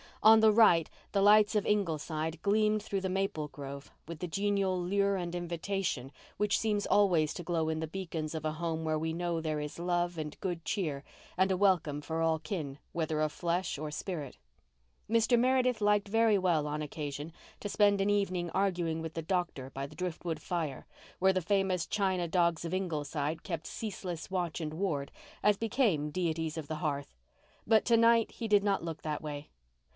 On the right the lights of Ingleside gleamed through the maple grove with the genial lure and invitation which seems always to glow in the beacons of a home where we know there is love and good cheer and a welcome for all kin, whether of flesh or spirit. Mr. Meredith liked very well on occasion to spend an evening arguing with the doctor by the drift wood fire, where the famous china dogs of Ingleside kept ceaseless watch and ward, as became deities of the hearth, but to night he did not look that way.